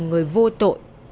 người vô tội